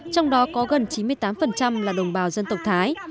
trong đó có gần chín mươi tám là đồng bào dân tộc thái